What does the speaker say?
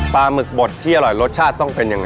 หมึกบดที่อร่อยรสชาติต้องเป็นยังไง